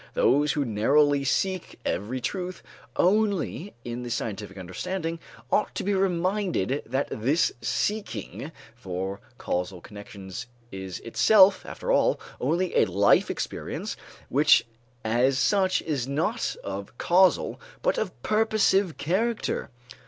Those who narrowly seek every truth only in the scientific understanding, ought to be reminded that this seeking for causal connections is itself, after all, only a life experience which as such is not of causal but of purposive character.